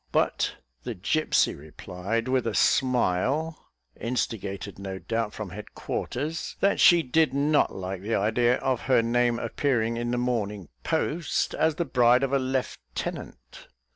But the gipsy replied, with a smile (instigated, no doubt, from head quarters), that she did not like the idea of her name appearing in the Morning Post as the bride of a lieutenant.